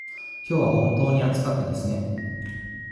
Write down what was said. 今日は本当に暑かったですね。